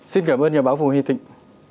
xin cảm ơn nhà báo phùng huy thịnh